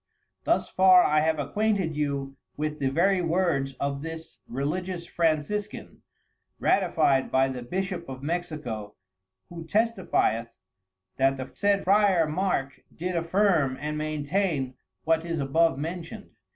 Thus far I have acquainted you with the very words of this Religious Franciscan, ratified by the Bishop of Mexico, who testifieth that the said Frier Marc did affirm and maintain what is above mentioned.